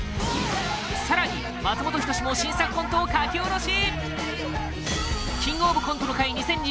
更に松本人志も新作コントを書き下ろし